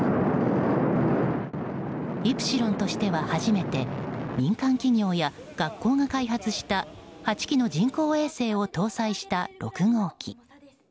「イプシロン」としては初めて民間企業や学校が開発した８基の人工衛星を搭載した６号機。